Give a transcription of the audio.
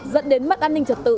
dẫn đến mất an ninh trật tự